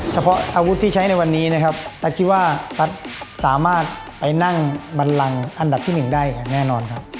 เฉพาะอาวุธที่ใช้ในวันนี้นะครับตั๊ดคิดว่าตั๊ดสามารถไปนั่งบันลังอันดับที่๑ได้อย่างแน่นอนครับ